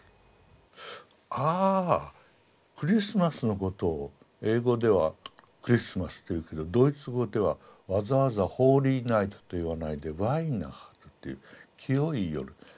あクリスマスのことを英語ではクリスマスと言うけどドイツ語ではわざわざホーリーナイトと言わないで「ヴァイナハテン」という「清い夜」。